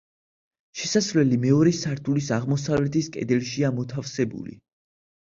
შესასვლელი მეორე სართულის აღმოსავლეთის კედელშია მოთავსებული.